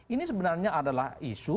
ini sebenarnya adalah isu